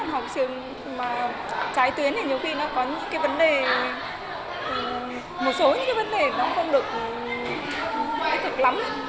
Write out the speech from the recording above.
học trường mà trái tuyến thì nhiều khi nó có những cái vấn đề một số những cái vấn đề nó không được nói thực lắm